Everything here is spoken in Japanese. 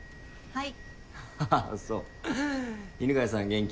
はい。